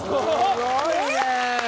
すごいね！